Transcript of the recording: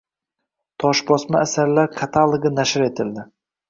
Toshbosma asarlar katalogi nashr etildi